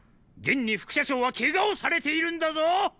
現に副社長は怪我をされているんだぞ！